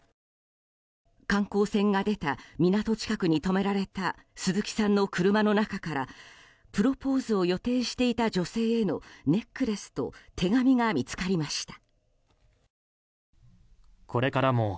観光船が出た港近くに止められた鈴木さんの車の中からプロポーズを予定していた女性へのネックレスと手紙が見つかりました。